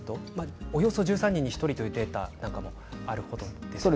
およそ１３人に１人というデータがある程なんですね。